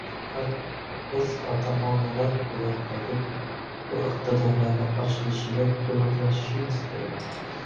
Faqat biz ota-onalar ulardagi bu iqtidorlarni ochilishiga koʻmaklashishimiz kerak.